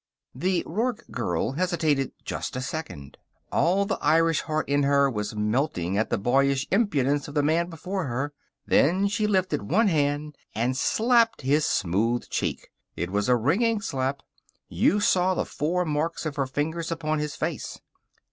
The Rourke girl hesitated just a second. All the Irish heart in her was melting at the boyish impudence of the man before her. Then she lifted one hand and slapped his smooth cheek. It was a ringing slap. You saw the four marks of her fingers upon his face.